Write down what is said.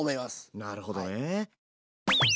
なるほどね。